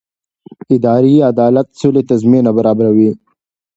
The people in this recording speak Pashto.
اداري عدالت سولې ته زمینه برابروي